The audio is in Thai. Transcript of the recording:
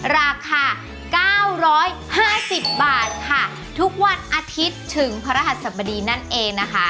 ราคา๙๕๐บาทค่ะทุกวันอาทิตย์ถึงพระรหัสสบดีนั่นเองนะคะ